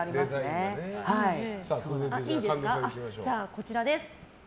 こちらです。